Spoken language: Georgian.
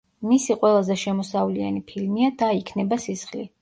მისი ყველაზე შემოსავლიანი ფილმია „და იქნება სისხლი“.